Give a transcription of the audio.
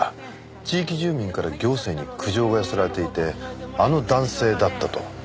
地域住民から行政に苦情が寄せられていてあの男性だったと。